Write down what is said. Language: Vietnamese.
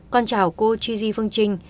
con chào cô gigi phương trinh